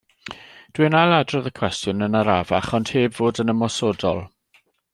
Dwi'n ail adrodd y cwestiwn yn arafach ond heb fod yn ymosodol.